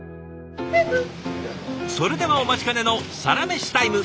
それではお待ちかねのサラメシタイム。